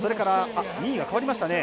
２位が変わりました。